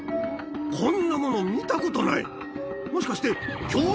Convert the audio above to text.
こんなもの見たことない。